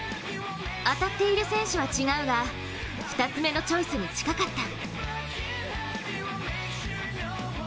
当たっている選手は違うが２つ目のチョイスに近かった。